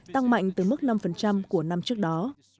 tăng mạnh từ mức năm của năm trước đó